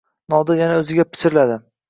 Nodir yana o‘ziga pichirladi